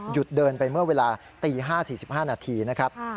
เดินไปเมื่อเวลาตี๕๔๕นาทีนะครับ